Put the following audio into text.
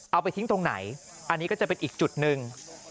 เอาไปทิ้งตรงไหนอันนี้ก็จะเป็นอีกจุดหนึ่ง